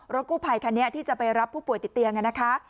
กู้ภัยคันนี้ที่จะไปรับผู้ป่วยติดเตียงนะคะ